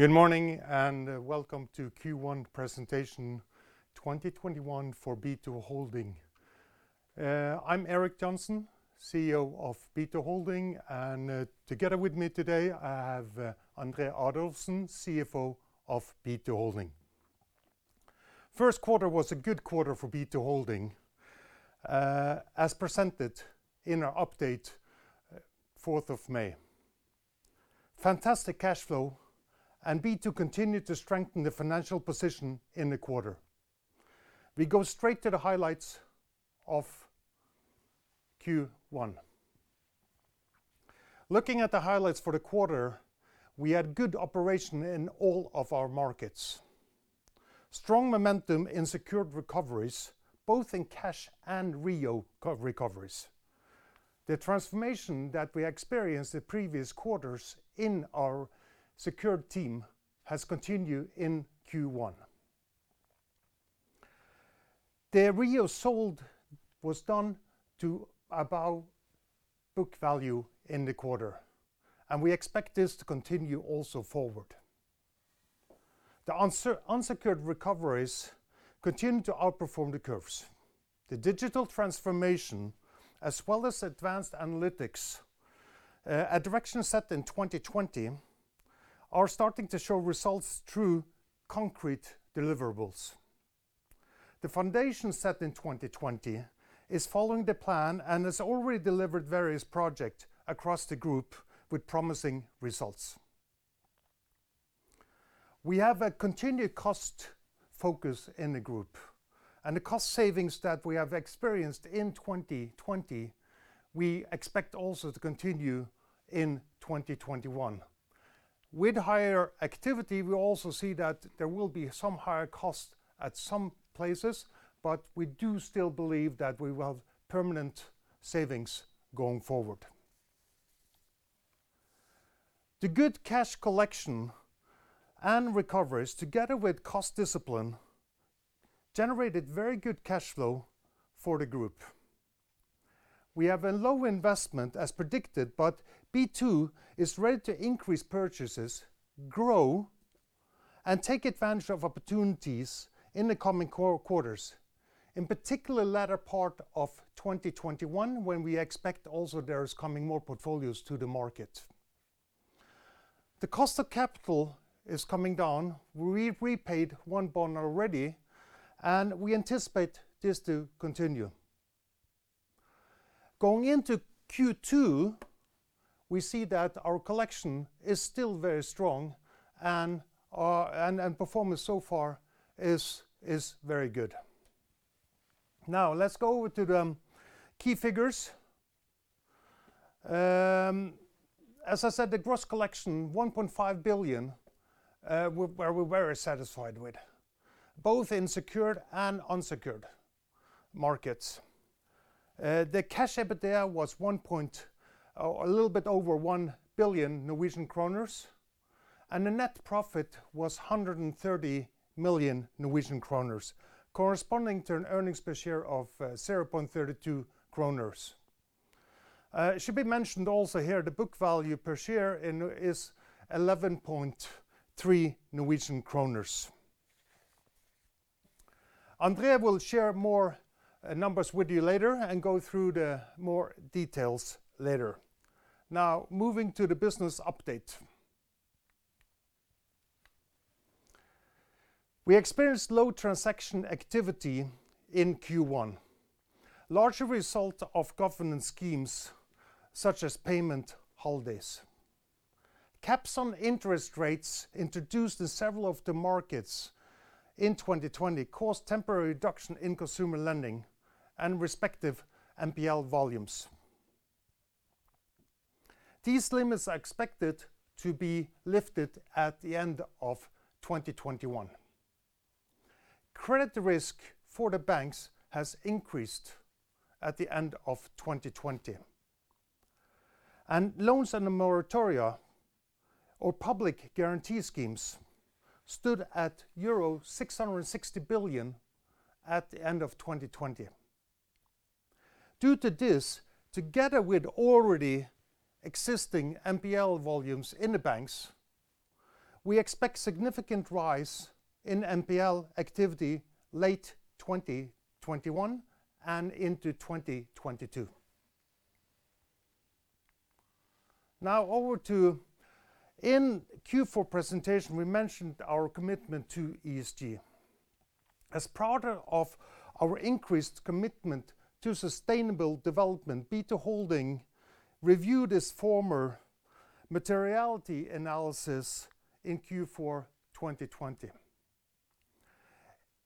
Good morning, and welcome to Q1 presentation 2021 for B2Holding. I'm Erik Johnsen, CEO of B2Holding, and together with me today, I have André Adolfsen, CFO of B2Holding. First quarter was a good quarter for B2Holding, as presented in our update fourth of May. Fantastic cash flow and B2 continued to strengthen the financial position in the quarter. We go straight to the highlights of Q1. Looking at the highlights for the quarter, we had good operation in all of our markets. Strong momentum in secured recoveries, both in cash and REO recoveries. The transformation that we experienced the previous quarters in our secured team has continued in Q1. The REO sold was done to above book value in the quarter, and we expect this to continue also forward. The unsecured recoveries continue to outperform the curves. The digital transformation, as well as advanced analytics, a direction set in 2020, are starting to show results through concrete deliverables. The foundation set in 2020 is following the plan and has already delivered various projects across the group with promising results. We have a continued cost focus in the group and the cost savings that we have experienced in 2020, we expect also to continue in 2021. With higher activity, we also see that there will be some higher costs at some places, but we do still believe that we will have permanent savings going forward. The good cash collection and recoveries, together with cost discipline, generated very good cash flow for the group. We have a low investment as predicted, but B2 is ready to increase purchases, grow, and take advantage of opportunities in the coming quarters. In particular, latter part of 2021, when we expect also there is coming more portfolios to the market. The cost of capital is coming down. We've repaid one bond already. We anticipate this to continue. Going into Q2, we see that our collection is still very strong and performance so far is very good. Let's go over to the key figures. As I said, the gross collection, 1.5 billion, we're very satisfied with, both in secured and unsecured markets. The cash EBITDA was a little bit over 1 billion Norwegian kroner. The net profit was 130 million Norwegian kroner, corresponding to an earnings per share of 0.32 kroner. Should be mentioned also here, the book value per share is 11.3 Norwegian kroner. André will share more numbers with you later and go through the more details later. Moving to the business update. We experienced low transaction activity in Q1, largely a result of government schemes such as payment holidays. Caps on interest rates introduced in several of the markets in 2020 caused temporary reduction in consumer lending and respective NPL volumes. These limits are expected to be lifted at the end of 2021. Credit risk for the banks has increased at the end of 2020, and loans under moratoria or public guarantee schemes stood at euro 660 billion at the end of 2020. Due to this, together with already existing NPL volumes in the banks, we expect significant rise in NPL activity late 2021 and into 2022. Now over to in Q4 presentation, we mentioned our commitment to ESG. As part of our increased commitment to sustainable development, B2Holding reviewed its former materiality analysis in Q4 2020.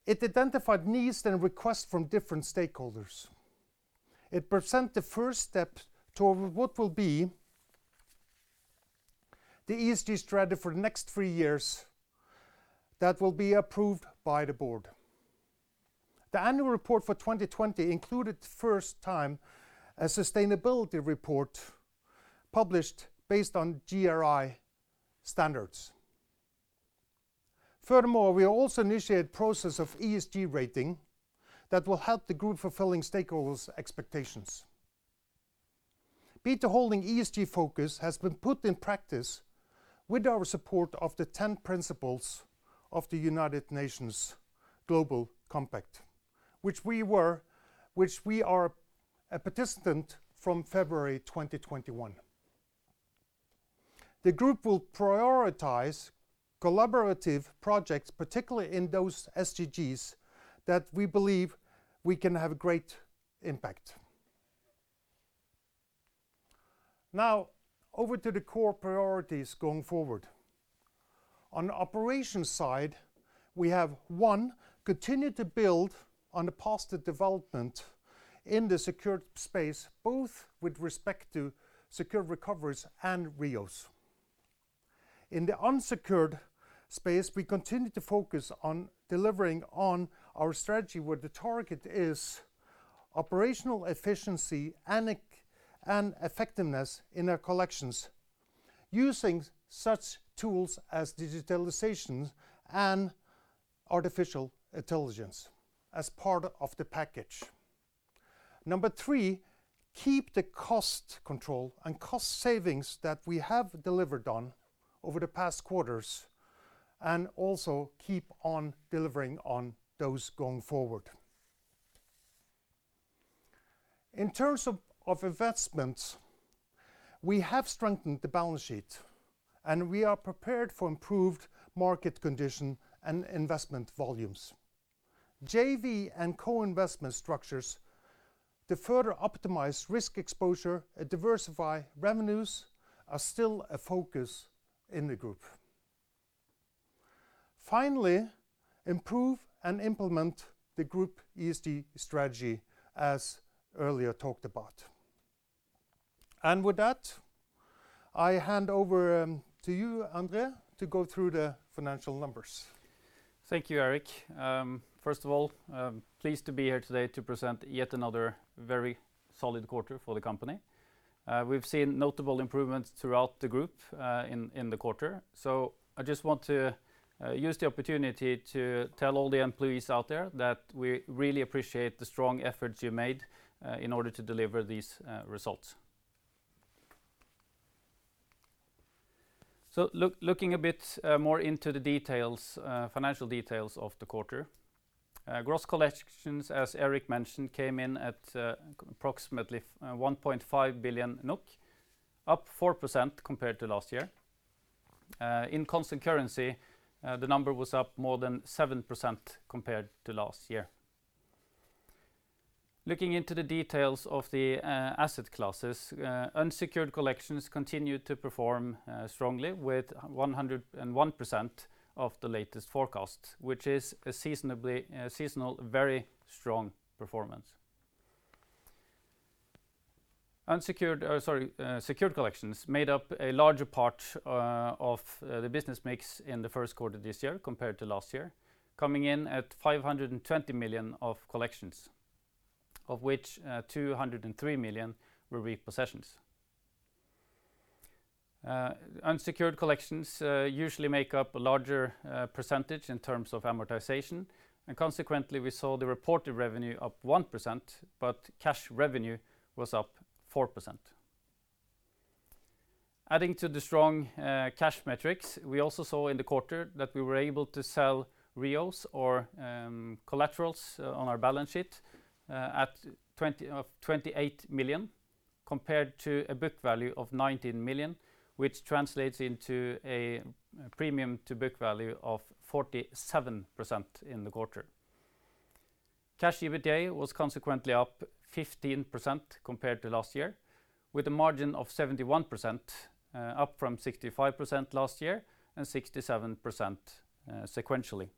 It identified needs and requests from different stakeholders. It present the first step toward what will be the ESG strategy for the next three years that will be approved by the board. The annual report for 2020 included first time a sustainability report published based on GRI standards. Furthermore, we also initiate process of ESG rating that will help the group fulfilling stakeholders' expectations. B2Holding ESG focus has been put in practice with our support of the 10 principles of the United Nations Global Compact which we are a participant from February 2021. The group will prioritize collaborative projects, particularly in those SDGs that we believe we can have great impact. Now over to the core priorities going forward. On the operations side, we have, one, continue to build on the positive development in the secured space, both with respect to secured recoveries and REOs. In the unsecured space, we continue to focus on delivering on our strategy where the target is operational efficiency and effectiveness in our collections using such tools as digitalization and artificial intelligence as part of the package. Number three, keep the cost control and cost savings that we have delivered on over the past quarters and also keep on delivering on those going forward. In terms of investments, we have strengthened the balance sheet. We are prepared for improved market condition and investment volumes. JV and co-investment structures to further optimize risk exposure and diversify revenues are still a focus in the group. Finally, improve and implement the group ESG strategy as earlier talked about. With that, I hand over to you, André, to go through the financial numbers. Thank you, Erik. First of all, pleased to be here today to present yet another very solid quarter for the company. We've seen notable improvements throughout the group in the quarter. I just want to use the opportunity to tell all the employees out there that we really appreciate the strong efforts you made in order to deliver these results. Looking a bit more into the financial details of the quarter. Gross collections, as Erik mentioned, came in at approximately 1.5 billion NOK, up 4% compared to last year. In constant currency, the number was up more than 7% compared to last year. Looking into the details of the asset classes, unsecured collections continued to perform strongly with 101% of the latest forecast, which is a seasonally very strong performance. Secured collections made up a larger part of the business mix in the first quarter of this year compared to last year, coming in at 520 million of collections, of which 203 million were repossessions. Unsecured collections usually make up a larger percentage in terms of amortization. Consequently, we saw the reported revenue up 1%. Cash revenue was up 4%. Adding to the strong cash metrics, we also saw in the quarter that we were able to sell REOs or collaterals on our balance sheet of 28 million compared to a book value of 19 million, which translates into a premium to book value of 47% in the quarter. Cash EBITDA was consequently up 15% compared to last year with a margin of 71%, up from 65% last year and 67% sequentially.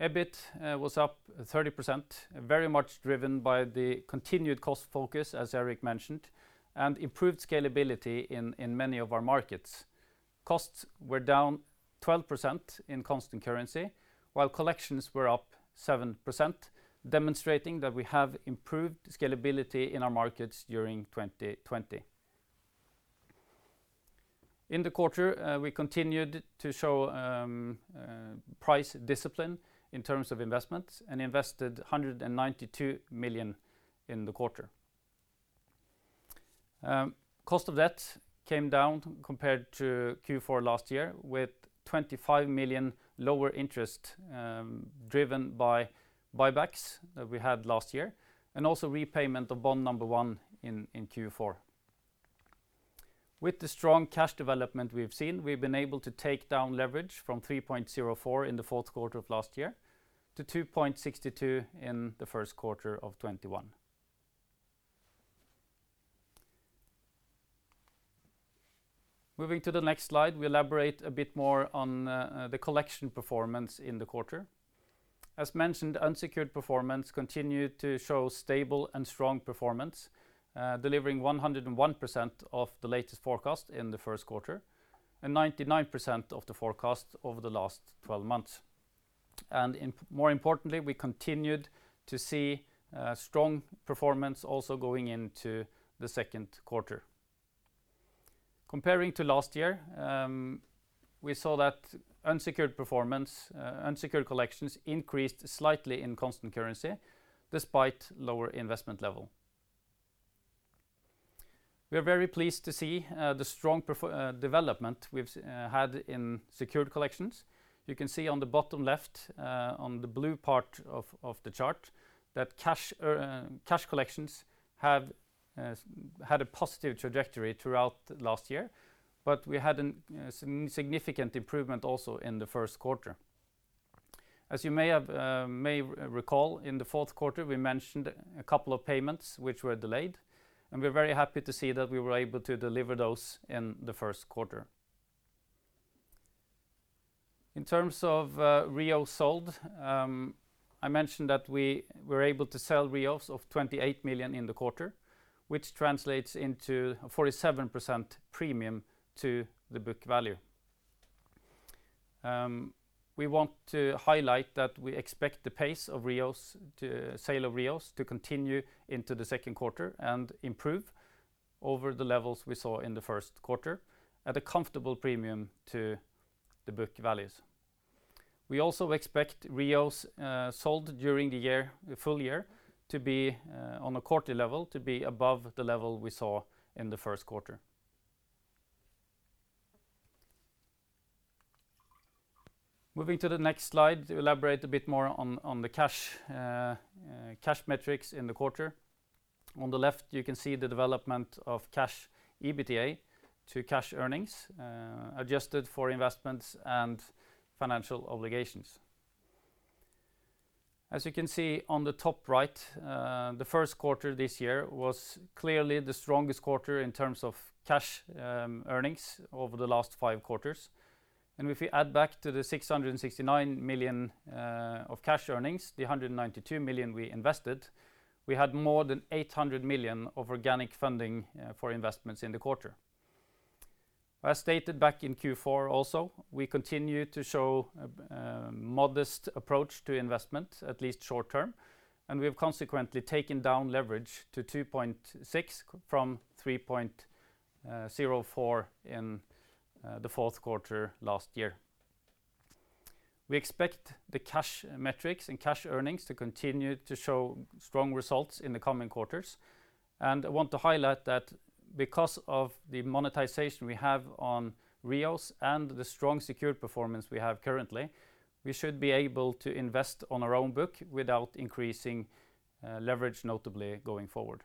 EBIT was up 30%, very much driven by the continued cost focus, as Erik mentioned, and improved scalability in many of our markets. Costs were down 12% in constant currency while collections were up 7%, demonstrating that we have improved scalability in our markets during 2020. In the quarter, we continued to show price discipline in terms of investments and invested 192 million in the quarter. Cost of debt came down compared to Q4 last year with 25 million lower interest driven by buybacks that we had last year and also repayment of bond number one in Q4. With the strong cash development we've seen, we've been able to take down leverage from 3.04 in the fourth quarter of last year to 2.62 in the first quarter of 2021. Moving to the next slide, we elaborate a bit more on the collection performance in the quarter. As mentioned, unsecured performance continued to show stable and strong performance, delivering 101% of the latest forecast in the first quarter and 99% of the forecast over the last 12 months. More importantly, we continued to see strong performance also going into the second quarter. Comparing to last year, we saw that unsecured collections increased slightly in constant currency despite lower investment level. We are very pleased to see the strong development we've had in secured collections. You can see on the bottom left, on the blue part of the chart, that cash collections had a positive trajectory throughout last year, but we had a significant improvement also in the first quarter. As you may recall, in the fourth quarter, we mentioned a couple of payments which were delayed, and we're very happy to see that we were able to deliver those in the first quarter. In terms of REOs sold, I mentioned that we were able to sell REOs of 28 million in the quarter, which translates into a 47% premium to the book value. We want to highlight that we expect the pace of sale of REOs to continue into the second quarter and improve over the levels we saw in the first quarter at a comfortable premium to the book values. We also expect REOs sold during the full year on a quarterly level to be above the level we saw in the first quarter. Moving to the next slide to elaborate a bit more on the cash metrics in the quarter. On the left, you can see the development of cash EBITDA to cash earnings adjusted for investments and financial obligations. As you can see on the top right, the first quarter this year was clearly the strongest quarter in terms of cash earnings over the last five quarters. If we add back to the 669 million of cash earnings, the 192 million we invested, we had more than 800 million of organic funding for investments in the quarter. As stated back in Q4 also, we continue to show a modest approach to investment, at least short-term, we have consequently taken down leverage to 2.6 from 3.04 in the fourth quarter last year. We expect the cash metrics and cash earnings to continue to show strong results in the coming quarters. I want to highlight that because of the monetization we have on REOs and the strong secured performance we have currently, we should be able to invest on our own book without increasing leverage notably going forward.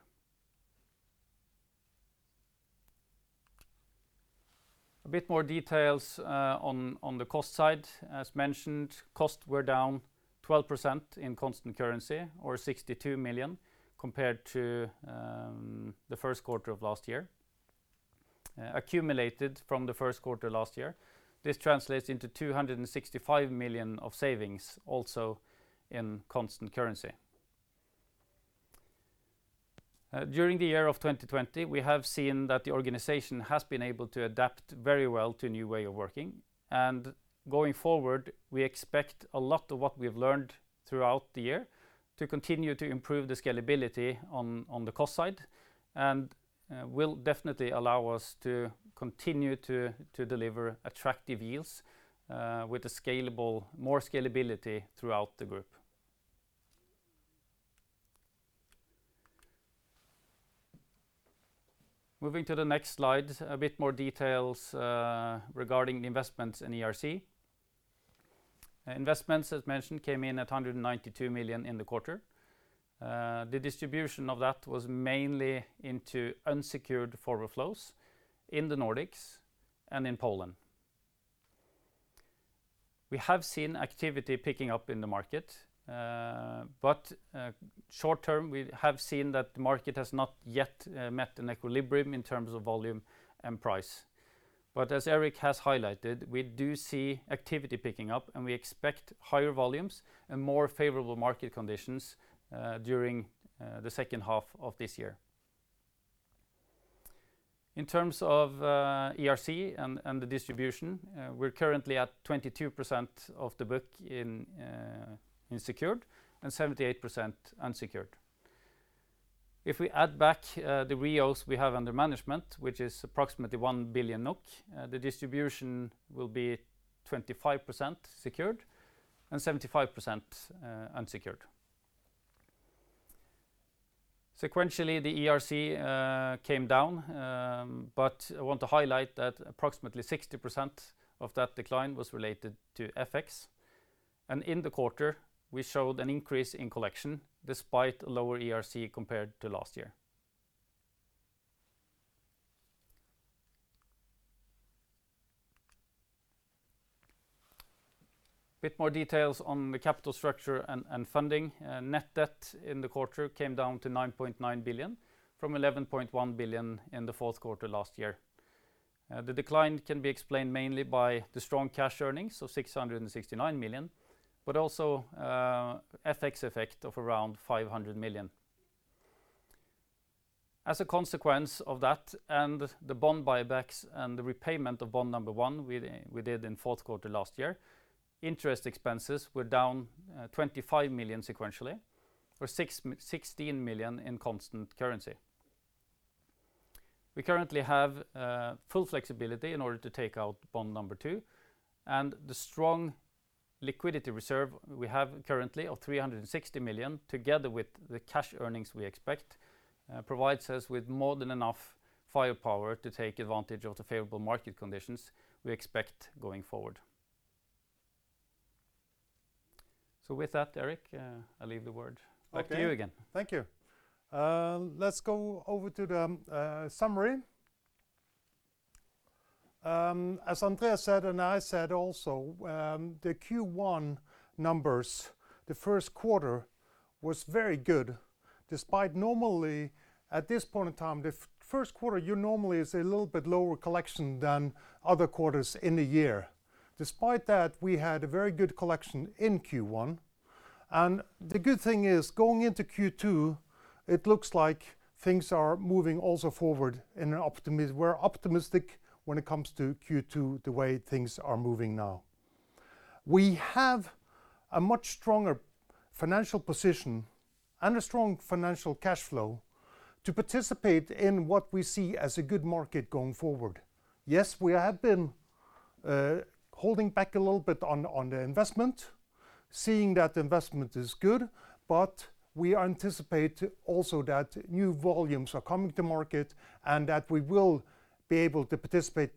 A bit more details on the cost side. As mentioned, costs were down 12% in constant currency, or 62 million, compared to the first quarter of last year. Accumulated from the first quarter last year, this translates into 265 million of savings also in constant currency. During the year of 2020, we have seen that the organization has been able to adapt very well to a new way of working. Going forward, we expect a lot of what we've learned throughout the year to continue to improve the scalability on the cost side and will definitely allow us to continue to deliver attractive yields with more scalability throughout the group. Moving to the next slide, a bit more details regarding the investments in ERC. Investments, as mentioned, came in at 192 million in the quarter. The distribution of that was mainly into unsecured forward flows in the Nordics and in Poland. We have seen activity picking up in the market. Short-term, we have seen that the market has not yet met an equilibrium in terms of volume and price. As Erik has highlighted, we do see activity picking up, and we expect higher volumes and more favorable market conditions during the second half of this year. In terms of ERC and the distribution, we are currently at 22% of the book in secured and 78% unsecured. If we add back the REOs we have under management, which is approximately 1 billion NOK, the distribution will be 25% secured and 75% unsecured. Sequentially, the ERC came down, but I want to highlight that approximately 60% of that decline was related to FX. In the quarter, we showed an increase in collection despite lower ERC compared to last year. A bit more details on the capital structure and funding. Net debt in the quarter came down to 9.9 billion from 11.1 billion in the fourth quarter last year. The decline can be explained mainly by the strong cash earnings of 669 million, but also FX effect of around 500 million. A consequence of that and the bond buybacks and the repayment of bond number one we did in fourth quarter last year, interest expenses were down 25 million sequentially, or 16 million in constant currency. We currently have full flexibility in order to take out bond number two and the strong liquidity reserve we have currently of 360 million, together with the cash earnings we expect, provides us with more than enough firepower to take advantage of the favorable market conditions we expect going forward. With that, Erik, I leave the word back to you again. Okay. Thank you. Let's go over to the summary. As André said and I said also, the Q1 numbers, the first quarter was very good despite normally at this point in time, the first quarter year normally is a little bit lower collection than other quarters in a year. Despite that, we had a very good collection in Q1, and the good thing is going into Q2, it looks like things are moving also forward and we're optimistic when it comes to Q2 the way things are moving now. We have a much stronger financial position and a strong financial cash flow to participate in what we see as a good market going forward. Yes, we have been holding back a little bit on the investment, seeing that investment is good, but we anticipate also that new volumes are coming to market and that we will be able to participate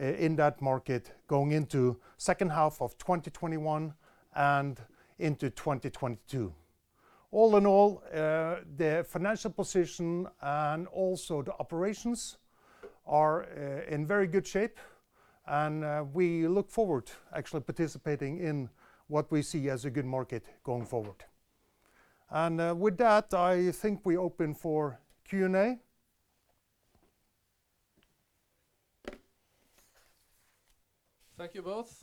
in that market going into second half of 2021 and into 2022. All in all, the financial position and also the operations are in very good shape and we look forward actually participating in what we see as a good market going forward. With that, I think we open for Q&A. Thank you both.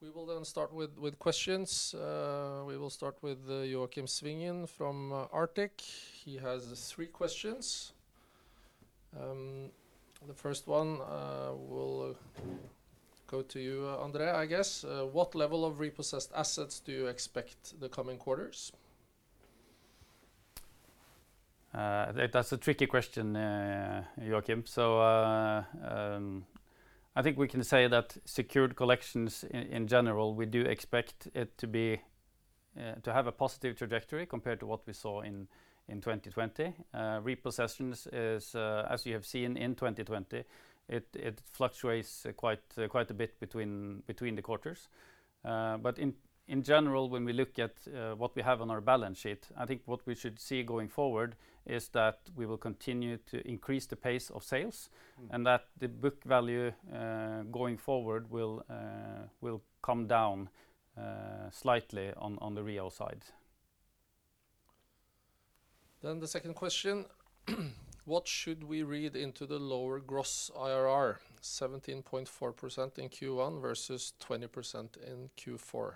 We will start with questions. We will start with Joakim Svingen from Arctic. He has three questions. The first one will go to you, André, I guess. What level of repossessed assets do you expect the coming quarters? That's a tricky question, Joakim. I think we can say that secured collections in general, we do expect it to have a positive trajectory compared to what we saw in 2020. Repossessions is, as you have seen in 2020, it fluctuates quite a bit between the quarters. In general, when we look at what we have on our balance sheet, I think what we should see going forward is that we will continue to increase the pace of sales and that the book value, going forward, will come down slightly on the REO side. The second question, what should we read into the lower gross IRR, 17.4% in Q1 versus 20% in Q4?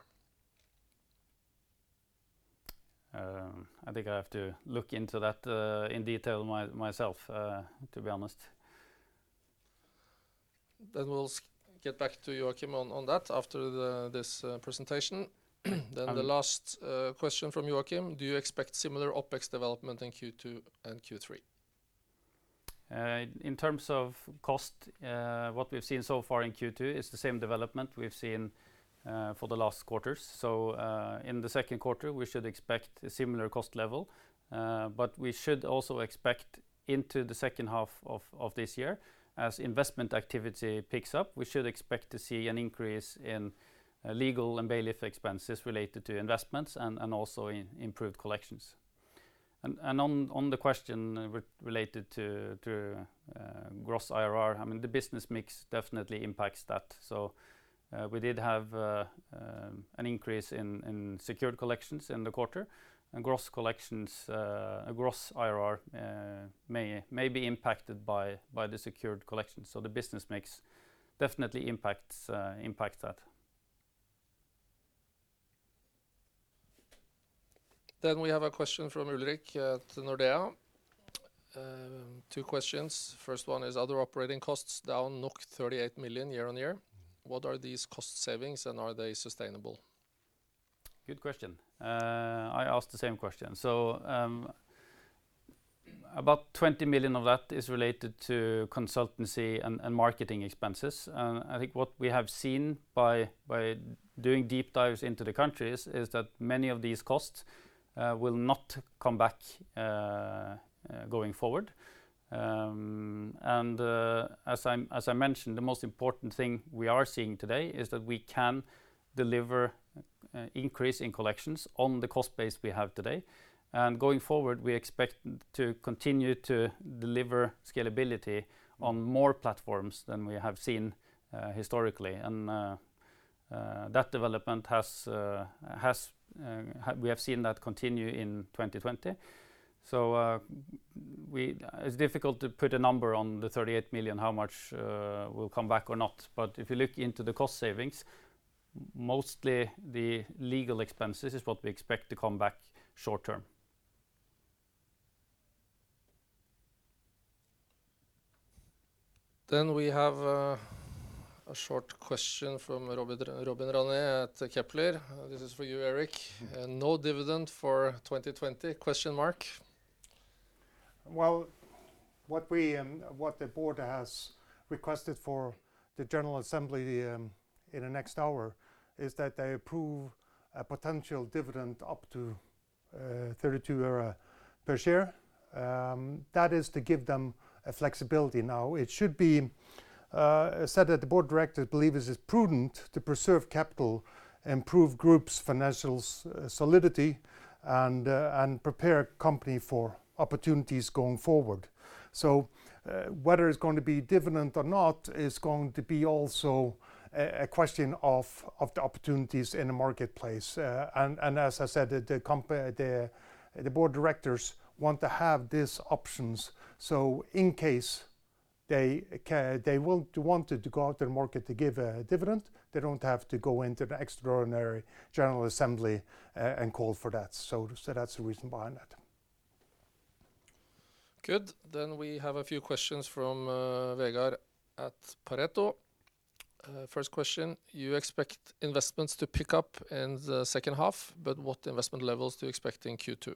I think I have to look into that in detail myself, to be honest. We'll get back to Joakim on that after this presentation. Okay. The last question from Joakim. Do you expect similar OpEx development in Q2 and Q3? In terms of cost, what we've seen so far in Q2 is the same development we've seen for the last quarters. In the second quarter, we should expect a similar cost level. We should also expect into the second half of this year, as investment activity picks up, we should expect to see an increase in legal and bailiff expenses related to investments and also improved collections. On the question related to gross IRR, I mean, the business mix definitely impacts that. We did have an increase in secured collections in the quarter and gross IRR may be impacted by the secured collection. The business mix definitely impacts that. We have a question from Ulrik at Nordea. Two questions. First one is other operating costs down 38 million year-on-year. What are these cost savings and are they sustainable? Good question. I asked the same question. About 20 million of that is related to consultancy and marketing expenses. I think what we have seen by doing deep dives into the countries is that many of these costs will not come back going forward. As I mentioned, the most important thing we are seeing today is that we can deliver increase in collections on the cost base we have today. Going forward, we expect to continue to deliver scalability on more platforms than we have seen historically. That development we have seen that continue in 2020. It's difficult to put a number on the 38 million, how much will come back or not. But if you look into the cost savings. Mostly the legal expense. This is what we expect to come back short-term. We have a short question from Robin Rane at Kepler. This is for you, Erik. "No dividend for 2020? Well, what the board has requested for the general assembly in the next hour is that they approve a potential dividend up to NOK 0.32 per share. That is to give them flexibility. Now, it should be said that the board of directors believe this is prudent to preserve capital, improve group's financial solidity, and prepare the company for opportunities going forward. Whether it's going to be dividend or not is going to be also a question of the opportunities in the marketplace. As I said, the board of directors want to have these options, so in case they wanted to go out to the market to give a dividend, they don't have to go into an extraordinary general assembly and call for that. That's the reason behind that. Good. We have a few questions from Vegard at Pareto. First question, "You expect investments to pick up in the second half, but what investment levels do you expect in Q2?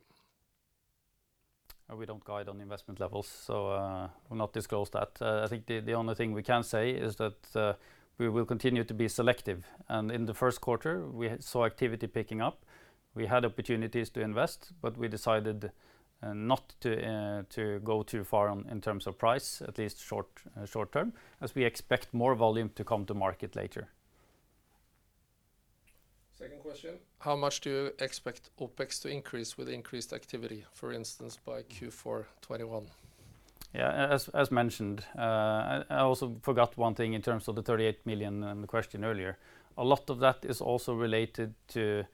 We don't guide on investment levels, so we'll not disclose that. I think the only thing we can say is that we will continue to be selective. In the first quarter, we saw activity picking up. We had opportunities to invest, but we decided not to go too far in terms of price, at least short term, as we expect more volume to come to market later. Second question, "How much do you expect OpEx to increase with increased activity, for instance, by Q4 2021? Yeah. As mentioned, I also forgot one thing in terms of the 38 million in the question earlier. A lot of that is also related to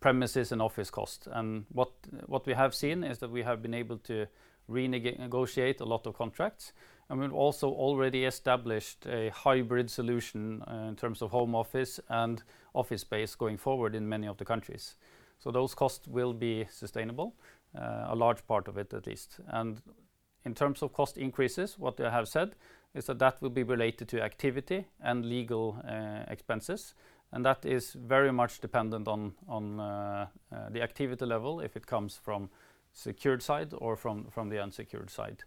premises and office costs. What we have seen is that we have been able to renegotiate a lot of contracts, and we've also already established a hybrid solution in terms of home office and office space going forward in many of the countries. Those costs will be sustainable, a large part of it at least. In terms of cost increases, what I have said is that that will be related to activity and legal expenses, and that is very much dependent on the activity level, if it comes from the secured side or from the unsecured side.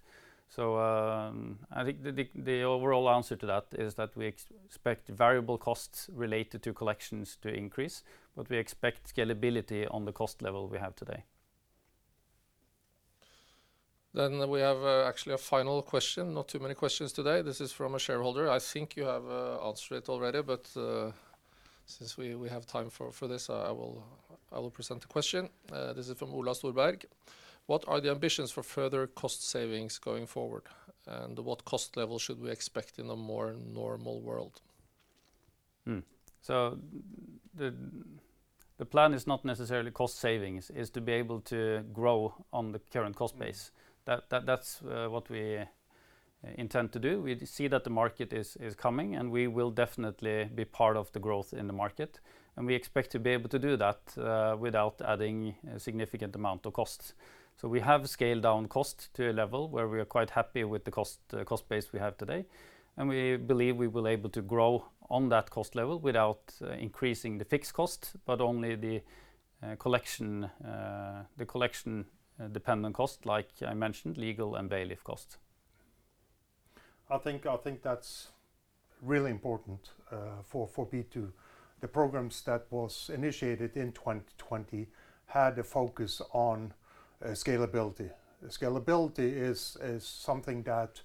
I think the overall answer to that is that we expect variable costs related to collections to increase, but we expect scalability on the cost level we have today. We have actually a final question. Not too many questions today. This is from a shareholder. I think you have answered it already, but since we have time for this, I will present the question. This is from Ola Solberg. "What are the ambitions for further cost savings going forward, and what cost level should we expect in a more normal world? The plan is not necessarily cost savings, is to be able to grow on the current cost base. That's what we intend to do. We see that the market is coming, and we will definitely be part of the growth in the market, and we expect to be able to do that without adding a significant amount of costs. We have scaled down costs to a level where we are quite happy with the cost base we have today, and we believe we will be able to grow on that cost level without increasing the fixed costs, but only the collection dependent costs, like I mentioned, legal and bailiff costs. I think that's really important for B2. The programs that was initiated in 2020 had a focus on scalability. Scalability is something that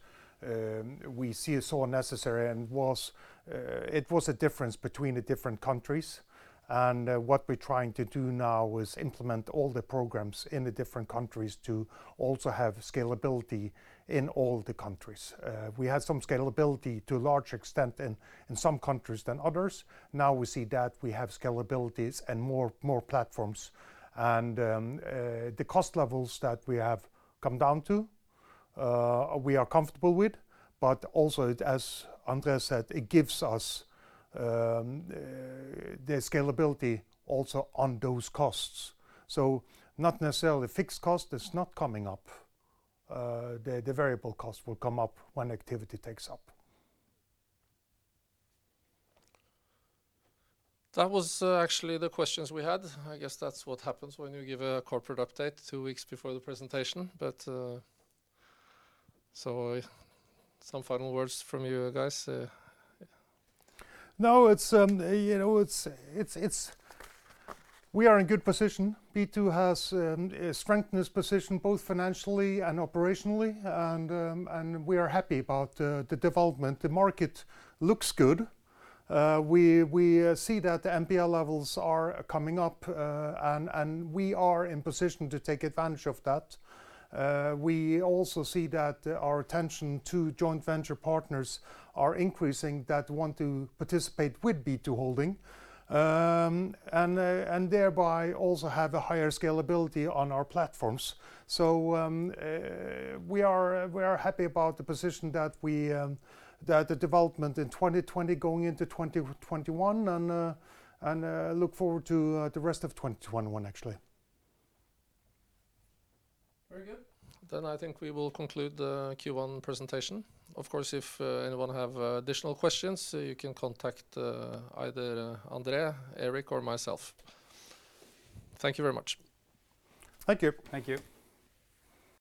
we see as so necessary, it was a difference between the different countries. What we're trying to do now is implement all the programs in the different countries to also have scalability in all the countries. We had some scalability to a large extent in some countries than others. Now we see that we have scalabilities and more platforms. The cost levels that we have come down to, we are comfortable with. Also, as André said, it gives us the scalability also on those costs. Not necessarily fixed costs. It's not coming up. The variable costs will come up when activity takes up. That was actually the questions we had. I guess that's what happens when you give a corporate update two weeks before the presentation. Some final words from you guys? No. We are in a good position. B2 has strengthened its position both financially and operationally, and we are happy about the development. The market looks good. We see that the NPL levels are coming up, and we are in position to take advantage of that. We also see that our attention to joint venture partners are increasing that want to participate with B2Holding ASA, and thereby also have a higher scalability on our platforms. We are happy about the position that the development in 2020 going into 2021 and look forward to the rest of 2021, actually. Very good. I think we will conclude the Q1 presentation. Of course, if anyone has additional questions, you can contact either André, Erik, or myself. Thank you very much. Thank you. Thank you.